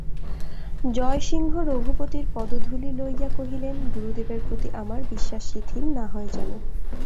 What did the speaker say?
জয়সিংহ রঘুপতির পদধূলি লইয়া কহিলেন, গুরুদেবের প্রতি আমার বিশ্বাস শিখিল না হয় যেন।